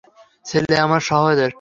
ছেলে আমাদের শহরের।